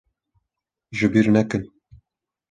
Ji bîr nekin.